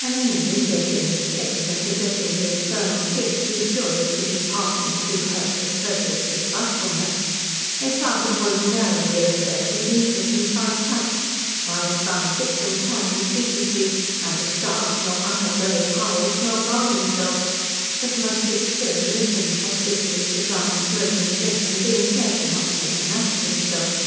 An enemy guessing his case and possessing the infernal gift whose joy is to dishearten and do hurt with courteous despitefulness, may plant a poisoned arrow here and there with neatness and fine touch, while his bound victim can, with decency, neither start, nor utter brave howls, nor guard himself, but must sit still and listen, hospitably supplying smoke and drink and being careful not to make an ass of himself.